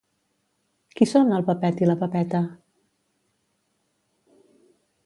—Qui són el Pepet i la Pepeta?